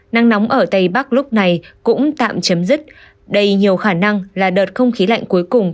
nắng nóng ở tây bắc lúc này cũng tạm chấm dứt đây nhiều khả năng là đợt không khí lạnh cuối cùng